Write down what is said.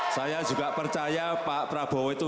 saya juga percaya pak prabowo itu